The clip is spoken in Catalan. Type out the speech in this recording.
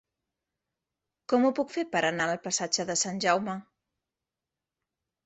Com ho puc fer per anar al passatge de Sant Jaume?